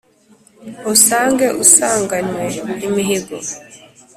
Usange usanganywe imihigo